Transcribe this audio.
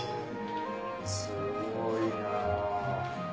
すごいなぁ。